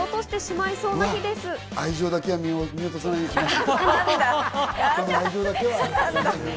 愛情だけは見落とさないようにします。